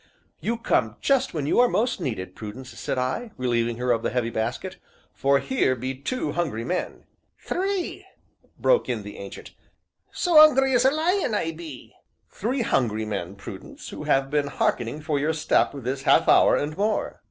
"You come just when you are most needed, Prudence," said I, relieving her of the heavy basket, "for here be two hungry men." "Three!" broke in the Ancient; "so 'ungry as a lion, I be!" "Three hungry men, Prudence, who have been hearkening for your step this half hour and more."